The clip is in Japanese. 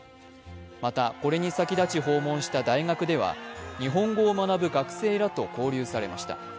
また、これに先立ち訪問した大学では日本語を学ぶ学生らと交流されました。